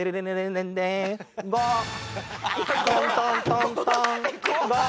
トントントントン。